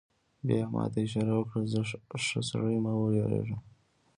بیا یې ما ته اشاره وکړه: ښه سړی، مه وېرېږه.